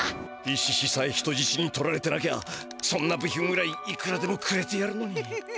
イシシさえ人じちに取られてなきゃそんな部品ぐらいいくらでもくれてやるのに。